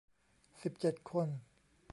สิบเจ็ด คน